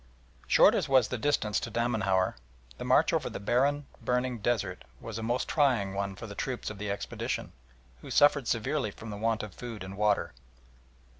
Short as was the distance to Damanhour, the march over the barren, burning desert was a most trying one for the troops of the expedition, who suffered severely from the want of food and water.